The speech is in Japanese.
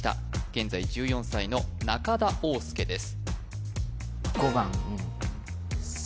現在１４歳の中田旺佑です